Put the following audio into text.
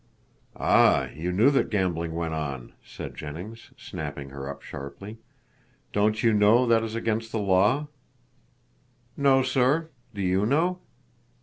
"Ah. You knew that gambling went on," said Jennings, snapping her up sharply. "Don't you know that is against the law?" "No, sir. Do you know?"